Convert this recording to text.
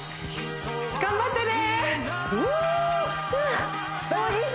頑張ってねフー！